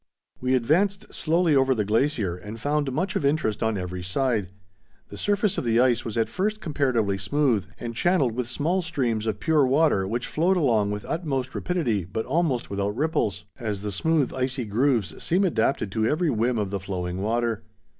We advanced slowly over the glacier and found much of interest on every side. The surface of the ice was at first comparatively smooth and channelled with small streams of pure water which flowed along with utmost rapidity but almost without ripples, as the smooth icy grooves seem adapted to every whim of the flowing water.